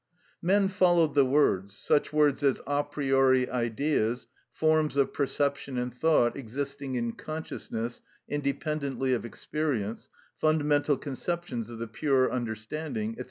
Men followed the words,—such words as "a priori ideas," "forms of perception and thought existing in consciousness independently of experience," "fundamental conceptions of the pure understanding," &c.